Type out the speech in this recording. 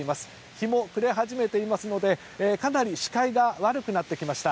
日も暮れ始めていますのでかなり視界が悪くなってきました。